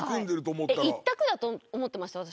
１択だと思ってました私。